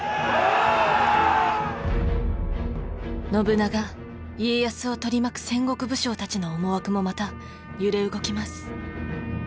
信長家康を取り巻く戦国武将たちの思惑もまた揺れ動きます。